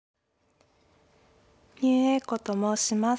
牛栄子と申します。